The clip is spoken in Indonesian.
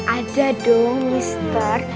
ada dong mister